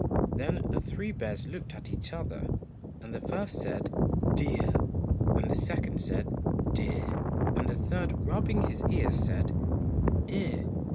Then the three bears looked at each other, and the first said 'DEAR!' and the second said ' DEAR !' and the third, rubbing his ear, said 'DEAR!'